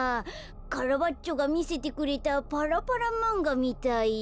カラバッチョがみせてくれたパラパラまんがみたい。